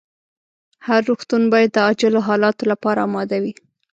هر روغتون باید د عاجلو حالتونو لپاره اماده وي.